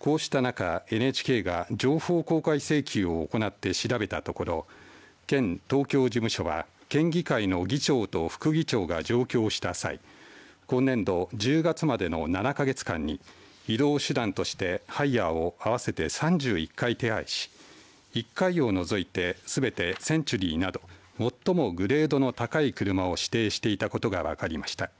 こうした中、ＮＨＫが情報公開請求を行って調べたところ県東京事務所は県議会の議長と副議長が上京した際今年度１０月までの７か月間に移動手段としてハイヤーを合わせて３１回手配し１回を除いてすべてセンチュリーなど最もグレードの高い車を指定していたことが分かりました。